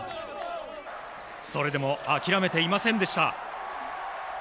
それでも、諦めていませんでした。